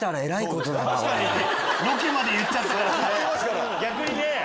ロケまで言っちゃったから逆にね。